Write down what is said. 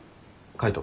海斗。